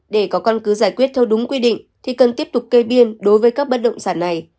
để có căn cứ giải quyết theo đúng quy định thì cần tiếp tục kê biên đối với các bất động sản này